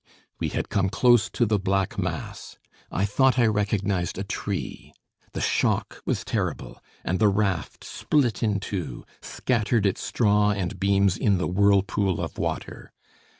We had come close to the black mass. I thought I recognised a tree. The shock was terrible, and the raft, split in two, scattered its straw and beams in the whirlpool of water.